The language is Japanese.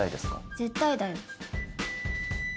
絶対だよ。